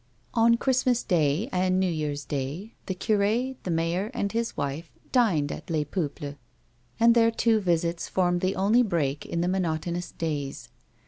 On Christmas day and New Year's day, tlie cure, the mayor, and his wife dined at Les Peuples, and their two visits formed the only break in the monotonous diiys.